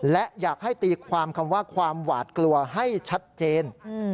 และอยากให้ตีความคำว่าความหวาดกลัวให้ชัดเจน